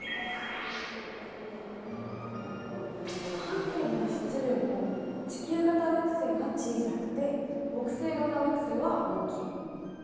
半径も質量も地球型惑星は小さくて木星型惑星は大きい。